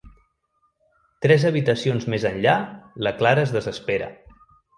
Tres habitacions més enllà la Clara es desespera.